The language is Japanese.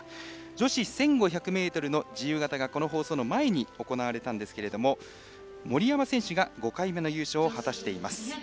女子１５００ｍの自由形がこの放送の前に行われたんですけど森山選手が５回目の優勝を果たしています。